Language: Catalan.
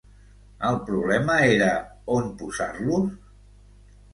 El problema era, on posar-los?